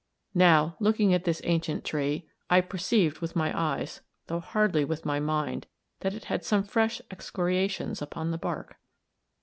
Now, looking at this ancient tree, I perceived with my eyes, though hardly with my mind, that it had some fresh excoriations upon the bark.